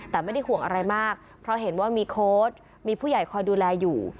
แต่ไม่ได้ห่วงอะไรมากเพราะเห็นว่ามีโค้ดมีผู้ใหญ่คอยดูแลอยู่